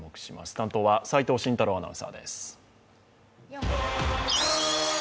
担当は齋藤慎太郎アナウンサーです。